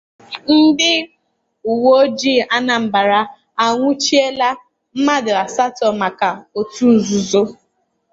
Ndị Uweojii Anambra Anwụchiela Mmadụ Asatọ Maka Otu Nzuzo